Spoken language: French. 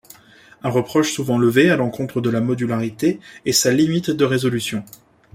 Un reproche souvent levé à l'encontre de la modularité est sa limite de résolution.